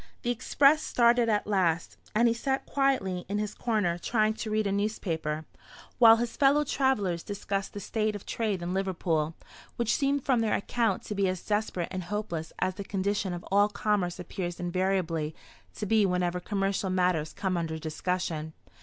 The express started at last, and he sat quietly in his corner trying to read a newspaper; while his fellow travellers discussed the state of trade in Liverpool, which seemed from their account to be as desperate and hopeless as the condition of all commerce appears invariably to be whenever commercial matters come under discussion.